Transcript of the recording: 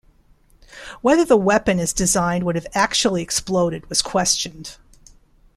Whether the weapon as designed would have actually exploded was questioned.